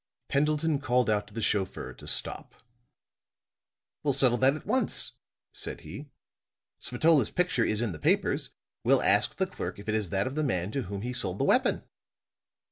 Pendleton called out to the chauffeur to stop. "We'll settle that at once," said he. "Spatola's picture is in the papers. We'll ask the clerk if it is that of the man to whom he sold the weapon."